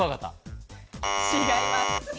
違います。